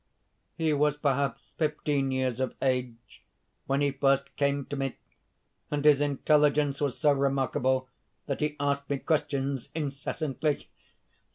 "He was perhaps fifteen years of age when he first came to me and his intelligence was so remarkable that he asked me questions incessantly.